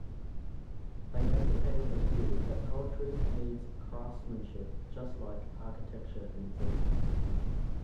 They advocated a view that poetry needs craftsmanship just like architecture needs it.